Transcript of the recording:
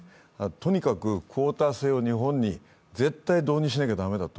とにかくクオータ制を日本に絶対導入しなきゃ駄目だと。